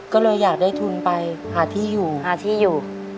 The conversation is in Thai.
ก็เลยอยากได้ทุนไปหาที่อยู่หาที่อยู่